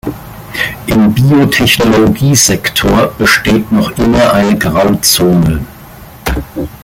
Im Biotechnologiesektor besteht noch immer eine Grauzone.